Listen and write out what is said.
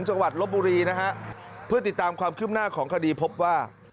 จังหวัดลบบุรีนะฮะเพื่อติดตามความขึ้นหน้าของคดีพบว่า